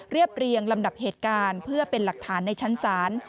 เรียบเรียงลำดับเหตุการณ์เพื่อเป็นหลักฐานในชั้นศาล